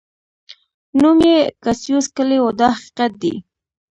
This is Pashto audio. نوم یې کاسیوس کلي و دا حقیقت دی.